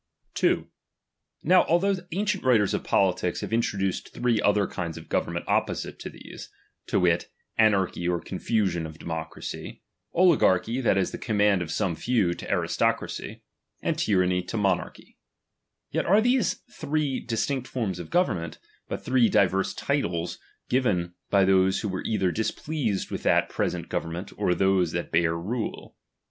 2. Now, although ancient writers of poUtics o'igarci nave introduced three other kinds of government tmcifn opposite to these ; to wit, anarchy or confusion to J"''™^, democracy; oligarchy, that is, the command of'"""" SQme few, to aristocracy, and tyranny to monarchy; yet are not these three distinct forms of govern *tient, but three diverse titles given by those who 'Were either displeased with that present govern tuent or those that bare rule.